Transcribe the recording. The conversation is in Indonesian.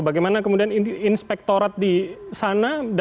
bagaimana kemudian inspektorat di sana